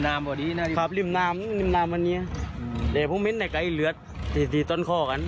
เด็กพวกมันเหม็นแต่ขันอีเลือด๔ต้นค้อกัน